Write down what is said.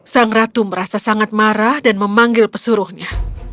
sang ratu merasa sangat marah dan memanggil pesuruhnya